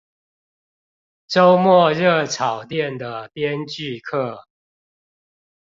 週末熱炒店的編劇課